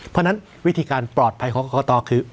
เพราะฉะนั้นวิธีการปลอดภัยของกรกตคือ